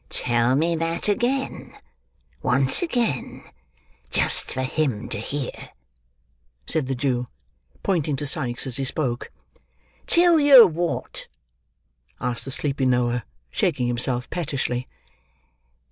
"Tell me that again—once again, just for him to hear," said the Jew, pointing to Sikes as he spoke. "Tell yer what?" asked the sleepy Noah, shaking himself pettishly.